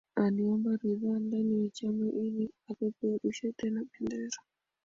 Aliomba ridhaa ndani ya Chama ili apeperushe tena bendera